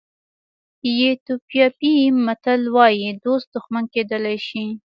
ایتیوپیایي متل وایي دوست دښمن کېدلی شي.